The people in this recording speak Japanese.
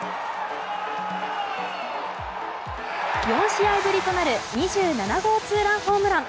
４試合ぶりとなる２７号ツーランホームラン！